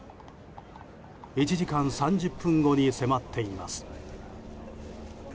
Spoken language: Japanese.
１時間３０分後に迫っています。